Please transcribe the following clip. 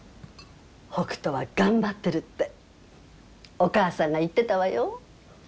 北斗は頑張ってるってお母さんが言ってたわよ。